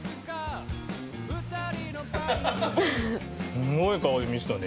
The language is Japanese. すごい顔で見てたね